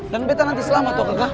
dan bete nanti selamat toh kakak